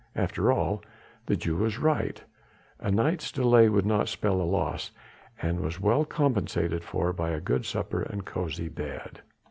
After all, the Jew was right: a night's delay would not spell a loss, and was well compensated for by a good supper and cosy bed.